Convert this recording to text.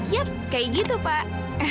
yap kayak gitu pak